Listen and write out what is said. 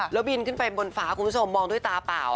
แล้วบินขึ้นไปบนฟ้าคุณผู้ชมมองด้วยตาเปล่า